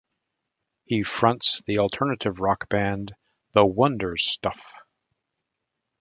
He fronts the alternative rock band The Wonder Stuff.